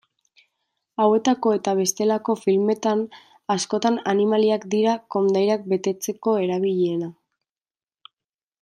Hauetako eta bestelako filmetan, askotan animaliak dira kondairak betetzeko erabilienak.